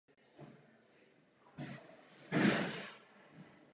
Po válce se zapojil do politiky.